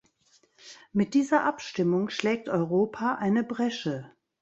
Mit dieser Abstimmung schlägt Europa eine Bresche.